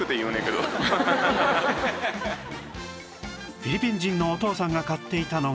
フィリピン人のお父さんが買っていたのが